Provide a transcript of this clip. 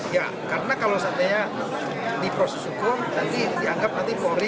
ya karena kalau saatnya diproses hukum nanti dianggap nanti polri